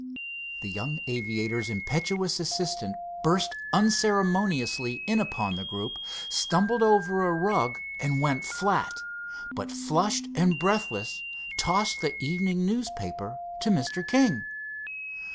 The young aviator's impetuous assistant burst unceremoniously in upon the group, stumbled over a rug and went flat, but flushed and breathless tossed the evening newspaper to Mr. King.